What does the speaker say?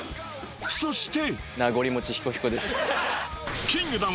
そして！